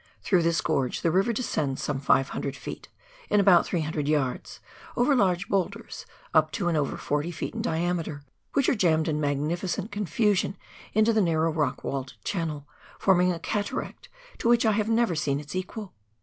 Through this gorge the river descends some 500 ft. in about 300 yards over large boulders, up to and over 40 ft. in diameter, which are jammed in magnificent confusion into the narrow rock walled channel, forming a cataract to which I have never seen an equal.